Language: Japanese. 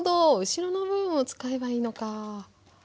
後ろの部分を使えばいいのか。